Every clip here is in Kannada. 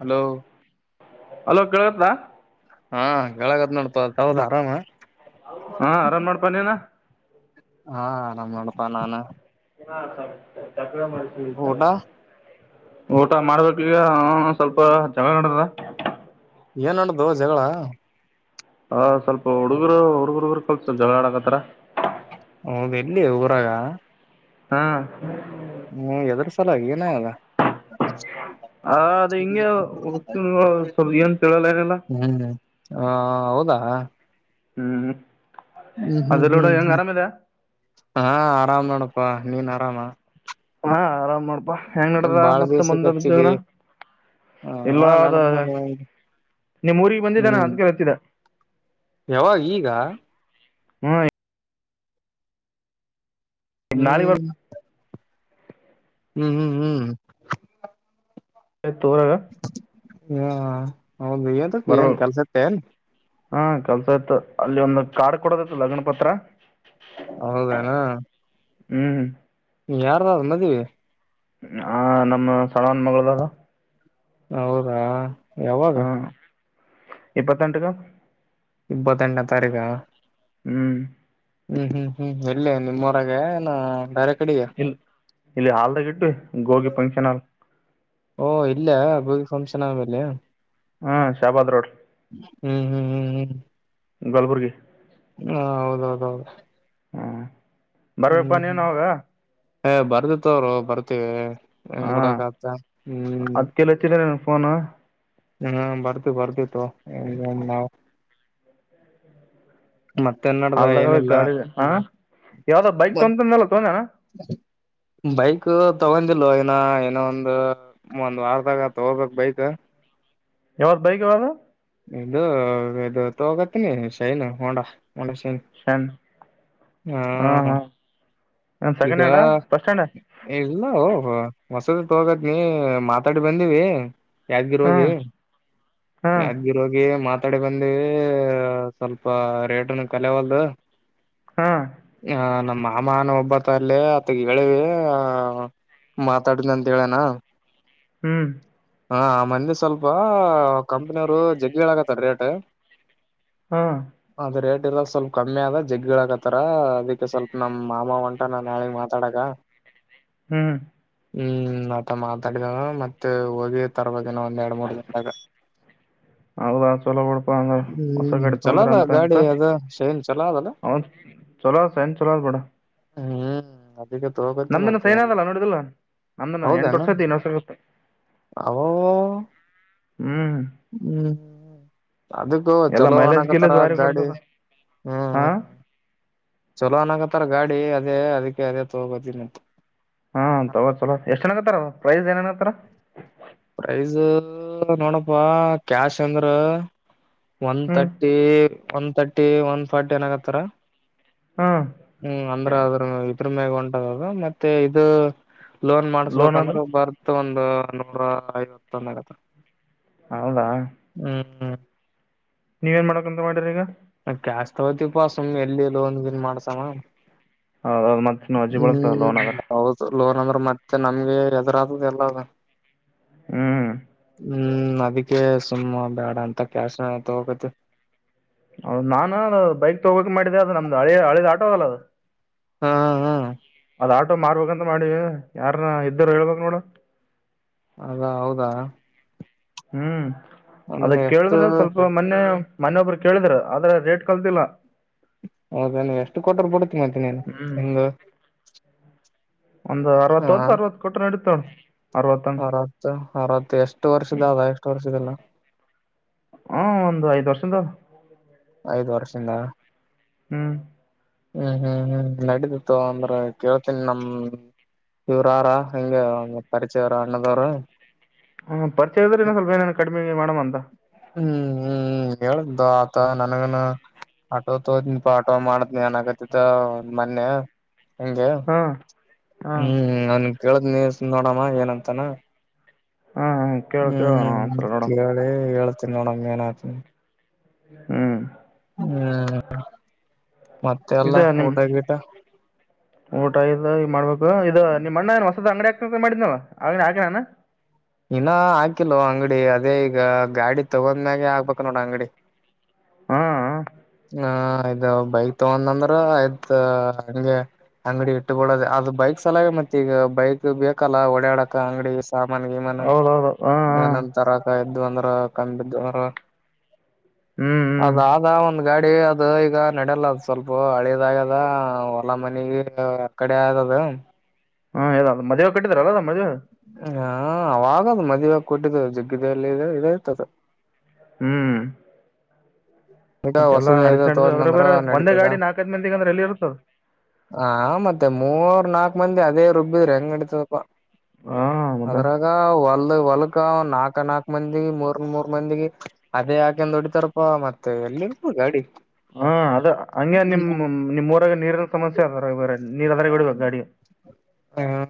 ಹಲೋ ಅಲೋ ಕೇಳತ್ತಾ ಹಾ ಕೆಳಗತ್ ನೋಡ್ತಾವದ ಆರಾಮ ಹಾ ರರನ್ ಮಾಡ್ಪ ನೀನ ಹಾ ಆರಾಮ್ ಮಾಡಪಾ ನಾನ ಹ ಸ ತಕ್ರ ಮಾಡತತಲ್ಲ ಊಟ ಊಟ ಮಾಡ್ಬೇಕ ಈಗ ಸ್ವಲ್ಪ ಚೆನ್ನಾಗತದ ಏನ್ ನಡ್ದು ಜಗಳ ಹಾ ಸ್ವಲ್ಪ ಹುಡುಗರು ಹುಡುಗ ಹಗರು ಕಲ್ಸಲ್ ಜಗಳಾಡಾಕತ್ತಾರ ಹೌ್ ಎಲ್ಲಿ ಊರಾಗ ಹಾ ಹ್ಮ್ ಎದ್ರ ಸಲ ಏನಯಲ್ಲ ಹ ಅದ ಹಿಂಗೆ ಸ್ವಲ್ ಏನ್ ತಿೇಳಲಾರಲ್ಲ ಹ್ಮ್ ಹ ಹೌದಾ ಹ್ಮ್ ಹ್ಮ್ ಹ್ಮ್ ಹ್ಮ್ ಹ್ಮ್ ಹಾ ಆರಾಮ್ ನನಪ್ಪಾ ನೀನ್ ಆರಾಮಾ ಹಾ ಆರಾಮ್ ಮಾಡ್ಪಾ ಹೆಂಗ್ ನಡದ ಮತ್ತ ದಿವ್ಸಕ್ ಹಚ್ಚಿದಿ ಮುಂದನ ಹ ಇಲ್ಲದ ನಡ್ದ್ ನೋಡ ನಿಮ್ ಊಗ್ ಬಂದಿದ್ದಾನ ಅದ್ಕ ಹತ್ತಿದ ಯಾವ ಈಗ ಹ್ಮ್ ನಾಳೆ ಹ್ಮ್ ಹ್ಮ್ ಹ್ಮ್ ಹ್ಮ್ ತೋರಾಗ ಹಾ ಹೌ ಭಯ ತ ಕ ಕಲ್ ಸ ತೆ ಹಾ ಕೆಲ್ಸ ಆತ ಅಲ್ಲಿ ಒಂದು ಕಾರ್ಡ್ ಕೊಡೋದ ಇತ್ತು ಲಗ್ನ ಪತ್ರ ಹೌದಾನ ಹ್ಮ್ ಯಾರದಾದ್ರರು ಮದ್ವಿ ಆ ನಮ್ಮ ಸಣವನ್ ಮಗಳದದ ಹೌದಾ ಯವಾಗ ಇಪ್ಪತೆಟಕ ಇಪ್ಪತ್ತೆಂಟನೇ ತಾರೀಕ ಹ್ಮ್ ಹ್ಮ್ ಹ್ಮ್ ಹ್ಮ್ ಎಲ್ಲಿ ನಿಮ್ಮೂರಾಗೇನು ಬೇರೆ ತಡಿ ಇಲ್ಲಿ ಇಲ್ಲಿ ಹಾಲ್ದಾಗ ಇಟ್ಟು ಹೋಗಿ ಫಂಕ್ಷನ್ ಹಾಲ್ ಓ ಇಲ್ಲ ಹೋಗಿ ಗಿ ಫಂಕ್ಷನ್ ಆದಮೇಲೆ ಹೂ ಶಾಬಾದ್ ರೋಡ್ ಹೂ ಹೂ ಹೂ ಕಲ್ಬುರ್ಗಿ ಹೂ ಹೌದ ಹೌದ ಹೌದ ಹ್ಹ್ ಬರೆಯಪ್ಪ ನೀನು ಅವಾಗ ಏ ಬರ್ತೆ ತಗೋರೋ ಬರ್ತೀವಿ ಹೆಂಗ್ ಹಾ ಬಿಡಕ್ ಆತ ಹತ್ತಿ ದಿಲನ್ನ ಹು ನೋ ಎಲ್ಲರೂ ಬರ್ತಿ, ಬರ್ತಿ ತಗೋ ನಾವು ಹಾಲ್ ದಾಗ ಇದೆ ಗಾಡಿ ಲ್ ಹಾ ಯಾವ್ದ ಬೈಕ್ ತೊಂಗತಿನದಲ್ ತೊಗದಿಯನು ಬೈಕು ಅ ತಗೊಂಡಿಲ್ಲ ಇನ್ನ ಇನ್ನೊಂದು ವಾರದಾಗ ತಗೋಬೇಕು ಬೈಕ್ ಯಾವಾದ ಬೈಕ್ ಯಾವಾದು ಈ ಇದು ತೊಗೋತಿ ಶೈನ್ ಹೋಂಡಾ ಒನ್ ನಿಮಿಷ ರ ಶನ್ ಹಾ ಹಾಂ ಅಣ್ಣಾ ಹಾಂ ಏನು ಈಗ ಸೆಕೆಂಡ್ ಹ್ಯಾಂಡಾ ಫಸ್ಟ್ ಹ್ಯಾಂಡಾ ಎಲ್ಲಾ ಹೋಗ ಹೊಸದ ತೊಗಬೇಕು ಹೀಗ್ ಮಾತಾಡಿ ಬಂದಿವಿ ಯಾದಗಿರಿ ಹೋಗಿ ಹಾಂ ಹಾಂ ಯಾದಗಿರಿ ಹೋಗಿ ಮತ್ ಈ ಕಡೆ ಬಂದಿವಿ ರೇಟನ್ನು ತಿಳಿವಲ್ದು ಹಾಂ ಯಾನ್ ಮಾಮನ ಒಬ್ಬತ ಅಲ್ಲಿ ಆತನಗ್ ಹೇಳಿವಿ ಹಾ ಮಾತಾಡ್ತೀನಿ ಅಂತ ಹೇಳನ ಹೂ ಹಾ ಮೊನ್ನೆ ಸ್ವಲ್ಪ ಕಂಪನಿಯವರು ಜಗ್ಗಿ ಹೇಳತಾರ ರೇಟ್ ಹಾಂ ಆದರೆ ಸ್ವಲ್ಪ ಕಮ್ಮಿ ಆದಗ ಜಗ್ಗಿ ಹೇಳಕತ್ತಾರ ಅದಕ್ಕೆ ಸ್ವಲ್ಪ ನಮ್ಮ್ ಮಾಮ ಹೊಂಟರ ಮಾತಾಡಕ ಹೂ ಹೂ ನನ್ನ ಹತ್ತರ ಮಾತಾಡಿದಳ ಮತ್ತ ಹೊಗಿ ರೇ ತರ್ವದಿನೂ ಅಲ್ಲಾ ಚಲೋ ಬಿಡ್ಪ ಅಂದ್ರ ಹೊಸ ಹ್ಮ್ ಗಾಡಿ ತೊಗೊಂಡ್ರೆ ಚಲೋಲ್ಲ ಅಂತ ಗಾಡಿ ಇಂತೂ ಅದ ಶೈನ್ ಚಲೋ ಅದಲ್ಲ ಚಲೋ ಅದ ಶೈನ್ ಚಲೋ ಬಿಡ ಹೂ ನಂದು ಶೈನ್ ಅದಲ್ಲ ನೋಡಿದಲ್ಲ ನಂದನ ಎಂಟು ಹೌದೇನು ವರ್ಷ ಐತಿ ಇನ್ ವರ್ಷ ಆಗುತ್ತೆ ಅವ ಹು ಹ್ಮ್ ಅದಕ್ಕೂ ಚಲೋ ಅನಕತ್ತಾರ ಭಾರಿ ಗಾಡಿ ಕೊಡ್ತದ ಹೂ ಹಾ ಹು ಚಲೋ ಅನಕತ್ತಾರ ಗಾಡಿ ದೇ ಅದಕ್ಕೆ ಅದೇ ತಗೋಗೋದನಂತ ಹಾ ತಗ ಚಲೋ ಎಷ್ಟ್ ಚನತ್ತಾರ ಪ್ರೈಜ್ ಏನನತ್ರ ಪ್ರೈಜ ನೋಡಪ್ಪಾ ಕ್ಯಾಶ್ ಅಂದ್ರ ಒನ್ ಹ್ಮ್ thirty one thirty one forty ಏನಾಗತ್ತಾರ ಹ್ಮ್ ಹ್ಮ್ ಅಂದ್ರೆ ಅದ್ರ ಕಮಾಗ ಉಂಟದದು ಮತ್ತೆ ಇದು ಲೋನ್ ಮಾಡಸ್ಬೇಕಂದ್ರೆ ಬರ್ತ್ ಒಂದ [unintelligible] ನೂರ ಐವತ್ತಂದ ಆಗತ್ತ [unintelligible] ಹೌದಾ ಹ್ಮ್ ನೀವೇನ್ ಮಾಡಕ್ಂತ ಮಾಡಿ್ರ ಈಗ ತೌತಿಪ್ಪಾ ಸುಮ್ ಎಲ್ಲಿ ಇಲ್ಲ ಒಂದನ್ ಮಾಡ್ಸಮ್ಮ ಹೌದೌದು ಮತ್ತೆ ನೀವು ಅಜ್ಜ ಬೊಳಗ್ತ ಲೋನಗರ್ ಹೌದು ಲೋನ್ ಅಂದ್ರೆ ಮತ್ತೆ ನಮ್ಗೆ ಹೆದು್ರಾದದೆ ಎಲ್ಲ ಹ್ಮ್ ಹ್ಮ್ ನದಕ್ಕೆ ಸುಮ್ಮ ಬೇಡ ಅಂತ ಕ್ಯಾಸತ ಹೋಗದು ಹೌದ ನಾನ ಅ ಬೈಕ್ ತಗೋಕ್ ಮಾಡಿದೆೆ ಅದದು ನಮ್ದು ಹಳಿ- ಹಳಿದ ಆಟೋ ಅದಲ್ಲ ಅದು ಹಾ ಹಾ ಅದ ಆಟೋ ಮಾರ್ಬೇಕಂತ ಮಾಡೀ ಯಾರನ್ನ ಇದ್ದರು ಹೇಳ್ಬೇಕು ನೋಡು ಅದಾ ಹೌದಾ ಹ್ಮ್ ಅದ ಅಂದ್ರೆ ಎಷ್ಟು ಕೇಳಿದ್ರೆ ಸ್ವಲ್ಪ ಮೊನ್ನೆ ಮನೊಬ್ಬರು ಕೇಳಿದ್ರ ಆದ್ರ ರೇಟ್ ಕಲ್ತಿಲ್ಲ ಹೌದ ನೀ ಎಷ್ಟು ಕೊಟರು ಬಿಡ್ತಿೀ ಮತ್ತ ನೀನು ನಿಮ್ದ ಒಂದು್ ಅರವತ್ತತ್ತ್ತು ಅವತ್ತು ಕೊಟ್ಟು ನಡೆ ತೊ ಅರತ್ತು- ಅರತ್ತು ಎಷ್ಟು ವರ್ಷದ ಅದ ಎಷ್ಟು ವರ್ಷದಲ್ಲ ಹಾ ಒಂದು ಐದ್ ವರ್ಷದ ಐದು್ ವರ್ಷ ಇನ್ನ ಹ್ಮ್ ಹ್ಮ್ ಹ್ಮ್ ಹ್ಮ್ ನಡದಿತ್ತು ಅಂದ್ರ ಕೇಳ್ತನ್ಿ ನಮ ಇವ್ರಾರ ಹಂಗ ಪರಿಚಯರ ಅಣ್ಣದವರು ಹಾ ಪರಿಚಯ ಇದ್ರೆ ಇನ್ನ ಸ್ವಲ್ಪ ಏನಾನ ಕಡ್ಮೆ ಮಣ ಮಂದಾ ಹ್ಮ್ ಹ್ಮ್ ಹ್ಮ ಹೇಳ್ದ ಆತ ನನಗನ ಆಟೋ ತೋತನಿ ಪ ಆಟೋ ಮಾಡದ್ನಿ ಅನ್ನಕತಿದ್ದ ಮೊನ್ನೆ ಹಂಗೆ ಹಾ ಹಾ ಹು ನನ್ ಕೇಳದ್ ನೀ ನೋಡಮ್ಮ ಏನಂತಾನ ಹಾ ಕೇಳ ಹು ಕೇಳ ಒಂದ್ಸಲ ನೋಡಮ್ ಕೇಳಿ ಹೇಳ ಯಾಕ್ ರೀ ಮೇಡಂ ಏನಾತು ಹು ಹು ಇದ ನಿಮ್ ಊಟ ಇಲ್ಲ ಈಗ ಮಾಡ್ಬೇಕು ಇದ ನಿಮ್ಮ್ ಅಣ್ಣ ಏನ್ ಇದ ಅಂಗಡಿ ಯಾಕ್ ಖರೀದಿ ಮಾಡಿರಿ ನೀವು ಆಗ್ಲೇ ಇನ್ನ ಹಾಕಿಲ್ಲೋ ಅಂಗಡಿ ಅದೇ ಈಗ ಗಾಡಿ ತಗೊಂಡ್ಮ್ಯಾಗೆ ಆಗ್ಬೇಕು ನೋಡ ಅಂಗಡಿ ಹು ಹ ಇದು ಬೈಕ್ ತಗೊಂಡಂದ್ರ ಆಯ್ತ್ ಹಂಗೆ ಅಂಗಡಿ ಇಟ್ಟಬಡದ ಅದು ಬೈಕ್ ಸಲ ಮತ್ತ ಈಗ ಬೈಕ್ ಬೇಕಲ್ಲ ಒಡಾಡಕ್ ಅಂಗಡಿ ಸಾಮನ್ ಗಿಮನ ಹೌದೌದು ಹಾ ಹಾ ಏನಂತ ತರಕಾಯ್ ಇದು ಅಂದ್ರ ಕಣ್ಣ್ ಬಿದ್ದವದ್ರ ಹ್ಮ್ ಹ್ಮ್ ಅದ ಒಂದು [unintelligible] ಗಾಡಿ ಅದು ಈಗ ನಡಲ್ಲ ಅದ್ ಸ್ವಲ್ಪ ಹಳದಾಗ್ಯದ ಹೊಲಾ ಮನಗೆ ಕಡೆ ಆದದು ಹಾ ಹೇಳ ಮದುವೆ ಕಟ್ಟಿದ್ರಾರಲ್ಲ ಅದ ಮದ್ವೆಗ ಹಾ ಅವಾಗದು ಮದುವಾಗ ಕೊಟ್ಟಿದ್ದ ಜುಗ್ಗಿದಲ್ಲಿ ಇದ ಇಲೆಯಿತ್ತದ ಹು ಬಿಡ ಹೊಸದ ಏನಾರ ಅದ್ರ ತೋದ್ನಂದ್ರ ಬೇರೆ ಒಂದೇ ನಡತದ ಗಾಡಿ ನಾಲ್ಕೈದ್ ಮಂದಿಗೆ ಅಂದ್ರೆ ಎಲ್ಲಿ ಇರ್ತದ ಆ ಮತ್ತೆ ಮೂರ್ ನಾಕು ಮುಂದ ಅದೇ ರುಬ್ಬಿದ್ರ ಹೆಂಗ ನಡಿತದಪ್ಪ ಹಾ ಮತ್ತ ಅದರಾಗ ಒಲ್ಲ ಹೊಲಕ ನಾಕ ನಾಕ್ ಮಂದಿ ಮೂರ್ನ್ ಮೂರ್ ಮಂದಿ ಅದೇ ಹಾಕಂದ್ ಹೊಡಿತಾರಪ್ಪ ಮತ್ತೆ ಮತ್ತೆ ಎಲ್ಲಿ ಇರಬೇಕು ಗಾಡಿ ಹಾ ಅದ ಹಂಗೆ ನಿಮ್ ಹ್ಮ ನಿಮ್ ಮೊದಲ ನೀರ ಸಮಸ್ಯೆ ಅದ ಬೇ ನೀರ್ ಅದ್ರ ಹೊಡಿ ಬೇಕ ಗಾಡಿ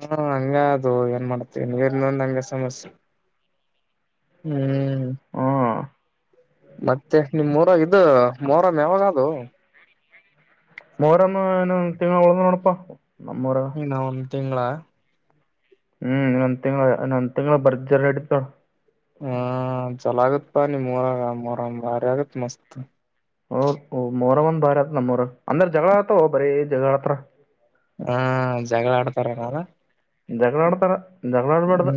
ಹಾ ಹಂಗ ಅದು ಏನ್ ಮಾಡ್ತವಿ ನೀರು ಇಲ್ಲ ಅಂದಾಗ ಸಮಸ್ಯೆ ಹು ಹಾ ಮತ್ತೆ ನಿಮ್ಮಊರಾಗ್ ಇದು ಮೊರ ಮ ಯಾವಾಗ ಅದು ಮೋರನ್ನು ಇನ್ನು ಒಂದ್ ತಿಂಗಳ ಉಳದವ್ ನೋಡಪಾ ನಮ್ಮೂರಾಗ ನಿನ್ನಂನೌನ್ ತಿಂಗಳ ಹುಇನ್ ಒಂದು ತಿಂಗಳ ಬರ್ಜರ್ ನಡೀತೇತಿನೊಡು ಹು ಚೊಲೊಅಗತ್ತ್ ಪಾ ನಿಮ್ಮ ಊರಾಗ ಮೊರಂ ಬಾರಿ ಆಗತ ಮಸ್ತ್. ಹೂ- ಹೂ ಮೊರವನ್ ಒಂದ್ ಬಾರಿ ಆತ್ ನಮ್ಮಊರಾಗ್ ಅಂದ್ರ ಜಗಳ ಆತ ಬರೀ ಜಗಳಾಡತಾರ ಹು ಜಗಳ ಆಡ್ತಾರ ನಲ್ಲಾ ಜಗಳ ಆಡ್ತಾರೆ ಜಗಳ ಆಡಬಾರದು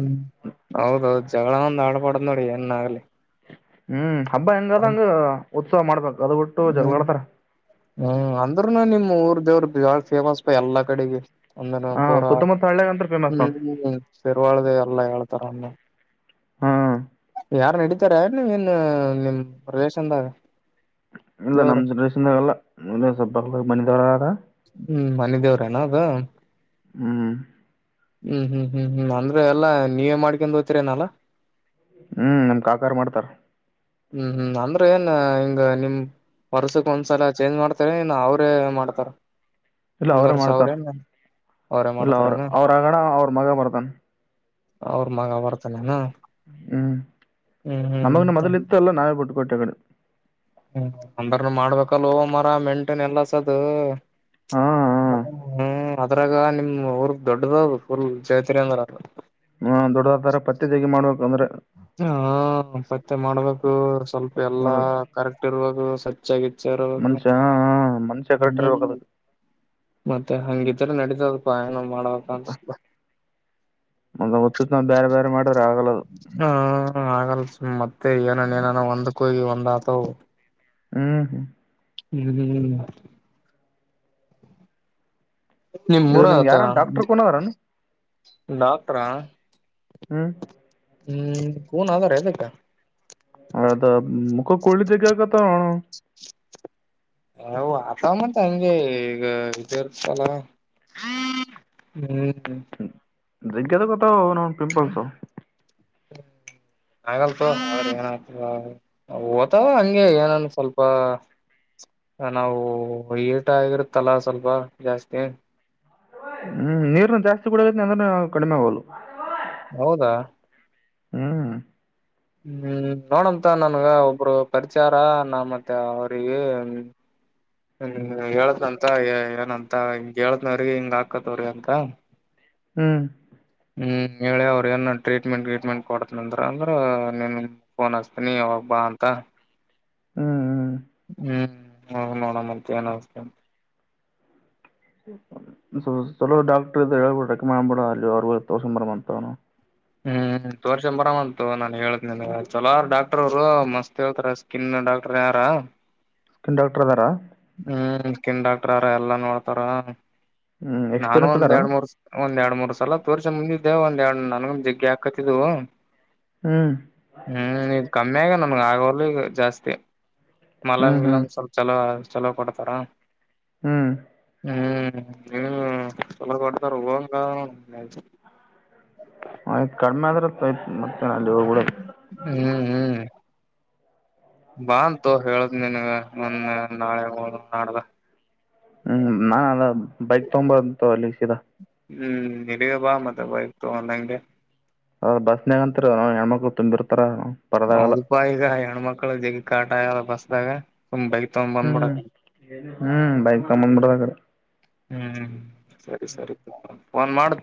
ಹೌದೌದು ಜಗಳ ಒಂದ ಆಡಬಾರ್ದ ನೋಡ ಏನ್ ಆಗ್ಲಿ. ಹ್ಮ್ ಅಬ್ಬಾ ಹೆಂಗಾದ ಅಂಗ ಇರು. ಉತ್ಸವ ಮಾಡ್ಬೇಕು. ಅದು ಬಿಟ್ಟು ಜಗಳ ಹ್ಮ್ ಆಡ್ತಾರ ಹ್ಮ್ ಅಂದ್ರೂನು ನಿಮ್ಮ್ ಊರ್ [unintelligible] ಬಾಳ್ ಫೇಮಸಪಾ ಎಲ್ಲಾ ಕಡೆಗೆ. ಹಾ ಒಂದನಪೂರ ಸುತ್ತಮುತ್ತ ಹಳ್ಳ್ಯಾಗ ಅಂತ್ರ ಫೇಮಸ್ ನೋಡ್ ಹ್ಮ ಶೇರ್ವಾಳ್ದೇ ಎಲ್ಲಾ ಹೇಳ್ತಾರ ಒಂದ. ಹ್ಮ್ ಯಾರ್ [unintelligible] ಇಲ್ಲ ನಮ್ ದೇವ್ರು ಜನ್ರೇಷನ್ದಾಗಲ್ಲ. ಮುಂದೆ ಸಬ್ [unintelligible] ಹ್ಮ್ ಮನೆ ದೇವ್ರೇನ ಅದ. ಹ್ಮ್ ಹ್ಮ್ ಹ್ಮ ಹ್ಮ್ ಹ್ಮ್ ಅಂದ್ರೆ ಎಲ್ಲಾ ನೀವೇ ಮಾಡ್ಕೊಂಡ ಓತೀರೇನಲ್ಲಾ. ಹ್ಮ್ ನಮ್ ಕಾಕಾರ್ ಮಾಡ್ತಾರ. ಹ್ಮ್ ಹ್ಮ್ ಅಂದ್ರೆ ಏನ್ ಹಿಂಗ ನಿಮ್ ವರ್ಷಕ್ ಒಂದ್ಸಲ ಚೇಂಜ್ ಮಾಡ್ತಾರ ಏನ್ ಅವ್ರೇ ಮಾಡ್ತಾರ. ಇಲ್ಲ ಒಂದ್ ಅವರೇ ವರ್ಷ ಮಾಡ್ತಾರ್. ಅವ್ರೇನ್ ಅವ್ರೇ ಮಾಡ್ತಾರನ ಅವ್ರ ಮಗ ಅವ್ ಬರ್ತಾನನ್. ಹ್ಮ್ ನಮಗನು ಹ್ಮ್ ಮೊದಲಿತ್ತು. ಎಲ್ಲ ನಾವ್ ಬಿಟ್ಟುಕೊಟ್ಟಗಡೆ. ಅಂದರ್ನ ಮಾಡ್ಬೇಕಲ್ ಮಾರಾಯ ಮೆಂಟೇನಸ್ ಎಲ್ಲ ಸದ. ಹಾ ಹ್ಮ್ ಅದ್ರಾಗ ನಿಮ್ ಊರ್ ದೊಡ್ಡದ ಊರ್ [unintelligible] ಹ್ಮ್ ದೊಡ್ಡದ ಆತರ ಪತ್ತೆತೆಗಿ ಮಾಡುವ ಹಾ ಪತ್ತೆ ಮಾಡ್ಬೇಕು ಇವರ್ ಸ್ವಲ್ಪ ಪತ್ತೆ ಎಲ್ಲಾ ಮಾಡ್ಬೇಕು ಕರೆಕ್ಟ್ ಇರ್ಬೇಕ. [unintelligible] ಹೆಚ್ಚಾಗಿ ಚಿರಾಡೋದು ಮನುಷ್ಯ ಹಾ, ಹಾ, ಮನುಷ್ಯ ಕರೆಕ್ಟ್ ಹ್ಮ ಇರ್ಬೇಕ ಅದಕ್ ಮತ್ತೆ ಹಂಗಿತರ ನಡಿ ಹಂಗ್ ಇರ್ತದಪಾ ಏನ್ ಮಾಡುನು. ಮಾಡ್ಬೇಕ್ ಅನಸ್ತದ. ಒಂದ ಒಚುತ್ತ ಬ್ಯಾರ್ ಬ್ಯಾರ್ ಮಾಡ್ರಿ. [inaudible] ಹಂಗ್ ಆತಾವ್ ಅವ್. ಹ್ಮು [inaudible] ನಿಮ್ಮೂರ ನಿಮ್ಗೆ ಯಾರನ್ ಡಾಕ್ಟರ್ ಕುನ ಅದಾರನ್ನ. ಡಾಕ್ಟ್ರಾ ಹ್ಮ ಹ್ಮ್ ಕೂನ್ ಆದರೆ ಅದಕಾ ಅದಾ ಮುಖಕ್ ಗುಳ್ಳಿ ಜಗ್ಗಿ ಆಗಾಕತವ್ ಅಣ್ಣಾ ಹೆ ಆವ್ ಅತವ್ ಮತ್ತ್ ಹಂಗೆ ಈಗಾ ಇದ ಇರ್ತಾಲಾ ಹ್ಮ್ ಜಗ್ಗ ಆಗ್ಯಲತವ್ ಓ ಅಣ್ಣಾ ಪಿಂಪಲ್ಸ್ ಆಗತೊ ಅದರ್ ಎನ್ ಆತದ ಓತಾವ ಹಂಗೆ ಏನನ್ ಸ್ವಲ್ಪ ನಾವು ಈಟ ಆಾಗಿರತ್ತಲ್ಲ ಸ್ವಲ್ಪ ಜಾಸ್ತಿ ಹ್ಮ್ ನಿರ್ನಾ ಜಾಸ್ತಿ ಕುಡ್ಯಗತಿನಿ ಅಂದುರ್ನು ಕಡಿಮೆ ಆಗ್ವಲ್ಲೂ ಹೌದಾ ಹ್ಮ್ ಹ್ಮ್ ನೋಡಂತೊ ನನ್ಗ ಒಬ್ರು ಪರಚಯ್ ಹರಾ ನಾ ಮತ್ ಅವ್ರಿಗಿ ಹ್ಮ್ ಹೇಳತ್ಂತಾ ಏ ಏನಂತ ಕೇಳ್ಕಾರಿ ಹಿಂಗ ಆಕ್ಕಾತಾವರಿ ಅಂತಾ ಹ್ಮ್ ಹ್ಮ್ ಹೇಳಿ ಅವ್ರ ಏನ್ ಟ್ರೀಟ್ಮೆಂಟ್ ಗ್ರಿಟ್ಮೆಂಟ್ ಕೊಡತನಂದ್ರ ಅಂದ್ರ ನಿನಗ ಫೋನ್ ಹಸ್ತೀನಿ ಯಾವಾಗ ಬಾ ಅಂತಾ ಹ್ಮ್ ಹ್ಮ್ ಅವಾಗ ನೋಡಮ್ ಮತ್ತ್ ಎನ್ ಅನಸ್ತ ಸ್ವಲ್ಪ್ ಚಲೋ ಡಾಕ್ಟರ್ ಇದ್ರ ಹೇಳ್ಬಿಡ ರೆಕಮೆಂಡ್ ಮಾಡ್ಬಿಡ ಅಲ್ಲಿ ಅವರ್ ಬಲ್ಲಿ ತೋರಿಸ್ಕೊಂಡ ಬರಾಮ್ ಅಂತ ಹ್ಮ್ ತೋರಸ್ಕೊಂಡ ಬರಾಮಂತೊ ನಾನ್ ಹೇಳಿತಿನ್ ಅಂತ್ ಚಲೋ ಹಾರ್ ಡಾಕ್ಟರ್ ಅವ್ರು ಮಸ್ತ್ ಹೇಳ್ತಾರ ಸ್ಕಿನ್ ಡಾಕ್ಟರೆ ಹರಾ ಸ್ಕಿನ್ ಡಾಕ್ಟರ್ ಅದಾರಾ ಹ್ಮ್ ಸ್ಕಿನ್ ಡಾಕ್ಟರ ಹರಾ ಎಲ್ಲಾ ನೋಡ್ತಾರ ಹ್ಮ್ ನಾನು ಎಕ್ಸ್ಪೀರಿಯನ್ಸ್ ಒಂದ್ ಅದಾರ ಎರಡ ಮೂರ್ ಸ್ ಒಂದ್ ಎರಡ ಮೂರ್ ಸ್ ಸಲಾ ತಿರಸ್ಕೊಂಡ್ ಬಂದಿದ್ಯಾ ಒಂದ್ ಎರಡ್ ನನ್ಗ ಜಗ್ಗಿ ಆಕತ್ತಿದ್ದವು ಹ್ಮ್ ಹ್ಮ್ ಈಗ್ ಕಮ್ಮಿ ಆಗ್ಯವ ನ ಆಗವಲ್ಲೂ ಈಗಾ ಜಾಸ್ತಿ ಮಲಮ್ ಹ್ಮ್ ಹ್ಮ್ ಗಿಲಮ್ ಸ್ವಲ್ಪ ಚಲೋ ಹಚ್ ಚಲೋ ಕೊಡ್ತಾರಾ ಹ್ಮ್ ಹ್ಮ್ ಹ್ಮ್ ಚಲೋ ಕೊಡ್ತಾರ ಹೊಗಾಂಗ್ ಅದಾ ನೋಡ್ ಆಯ್ತ್ ಕಡಿಮೆ ಆದ್ರ ಆಯ್ತು ಮತ್ತ ಅಲ್ಲಿ ಹೋಗ್ಬಿಡೋದು ಹ್ಮ್ ಹ್ಮ್ ಬಾಂತೊ ಹೇಳದ ನಿನಗ ಒಂದ ನಾಳೆ ಹೋಗೋದ್ ನಾಡ್ದ ಹ್ಮ್ ನಾನ್ ಅದ ಬೈಕ್ ತೊಗೊಂಡ ಬರ್ತೋ ಅಲ್ಲೆ ಸಿದಾ ಹ್ಮ್ ನಿಡಗ ಬಾ ಮತ್ತ ಬೈಕ್ ತೊಗೊಂಡ ಹಂಗೆ ಅ ಬಸ್ನಾಗಂತ್ರು ಅ ಹೆಣ್ಣ ಮಕ್ಳು ತುಂಬಿರ್ತರ ಹೌದ ಪಾ ಈಗಾ ಹೆಣ್ಣ ಮಕಳ್ಳು ಮಕ್ಕಳ ಜಗ್ಗಿ ಕಾಟಾ ಆಗ್ಯದ ಬಸ್ದಾಗ ಸುಮ್ ಬೈಕ್ ತಗೊಂಡ್ ಹ್ಮ್ ಬಂದ್ಬಿಡಕ್ ಹ್ಮ್ ಬೈಕ್ ತಗಂಡ್ ಬಂದ್ ಬಿಡೋದು ಅಕಡಿ ಹ್ಮ್ ಸರಿ ಸರಿ ಒನ್ ಮಾಡ್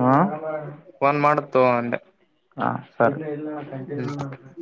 ಹಾ ತಗೋ [unintelligible] ಅಂದೆ ಹಾ ಸ [unintelligible] ಇಲ್ಲ ಹ್ಮ್ ಕಂಟಿನ್ಯೂ [unintelligible]